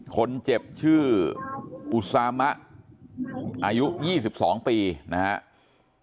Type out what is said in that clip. คนเจ็บชื่ออุตสามะอายุ๒๒ปีนะครับ